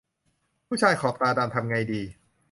ผู้ชายขอบตาดำทำไงดี